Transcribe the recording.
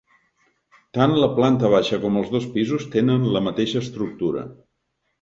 Tant la planta baixa com els dos pisos tenen la mateixa estructura.